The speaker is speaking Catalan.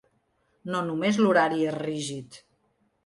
No només l’horari és rígid.